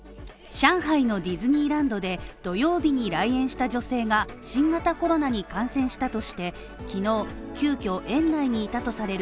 上海のディズニーランドで土曜日に来園した女性が、新型コロナに感染したとして、昨日急遽、園内にいたとされる